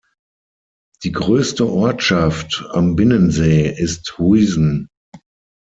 Die größte Ortschaft am Binnensee ist Huizen.